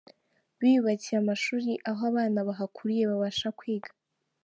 biyubakiye amashuri aho abana bahakuriye babasha kwiga.